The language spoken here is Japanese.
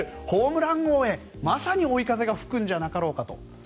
ホームラン王へまさに追い風が吹くんじゃなかろうかと。